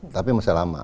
tapi masih lama